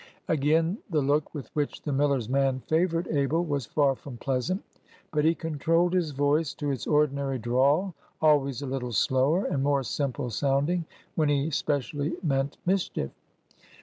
Again the look with which the miller's man favored Abel was far from pleasant. But he controlled his voice to its ordinary drawl (always a little slower and more simple sounding, when he specially meant mischief).